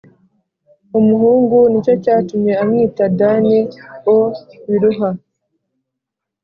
umuhungu Ni cyo cyatumye amwita Dani o Biluha